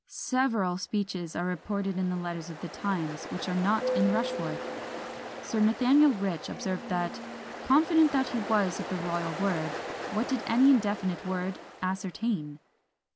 Several speeches are reported in the letters of the times, which are not in Rushworth. Sir Nathaniel Rich observed that, "confident as he was of the royal word, what did any indefinite word ascertain?"